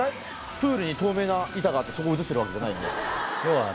プールに透明な板があってそこを映してるわけじゃないよね。